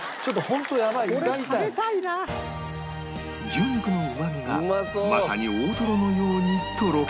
牛肉のうまみがまさに大トロのようにとろけます